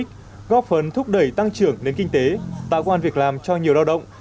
nó có ích góp phần thúc đẩy tăng trưởng đến kinh tế tạo quan việc làm cho nhiều lao động